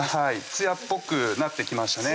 つやっぽくなってきましたね